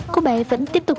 cô bé vẫn tiếp tục